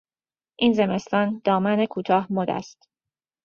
این زمستان دامن کوتاه مد است.